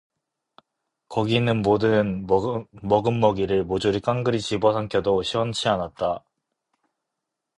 거기 있는 모든 먹음먹이를 모조리 깡그리 집어삼켜도 시원치 않았다